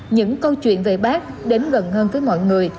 những câu chuyện về bác đến gần hơn với mọi người